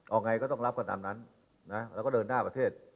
เอาไงก็ต้องรับกันตามนั้นนะแล้วก็เดินหน้าประเทศ